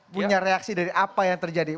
punya reaksi dari apa yang terjadi